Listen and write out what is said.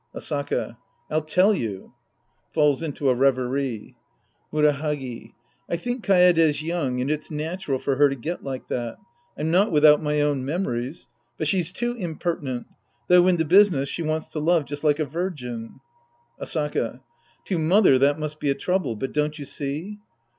Asaka. I'll tell you. {Falls into a revery.) Murahagi. I think Kaede's young and it's natural for her to get like that. I'm not without my own nlemories. But she's too impertinent. Though in the business, she wants to love just like a virgin. Asaka. To " mother " that must be a trouble, but don't you see